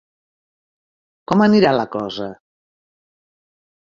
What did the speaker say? Com anirà la cosa?